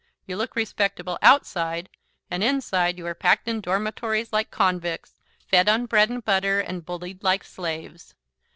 You look respectable outside, and inside you are packed in dormitories like convicts, fed on bread and butter and bullied like slaves.